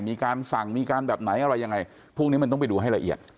มีการสั่งมีการแบบไหนอะไรยังไงพวกนี้มันต้องไปดูให้ละเอียด